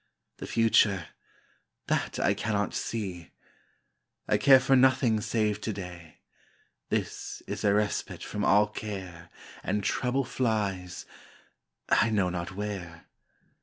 The future that I cannot see! I care for nothing save to day This is a respite from all care, And trouble flies I know not where.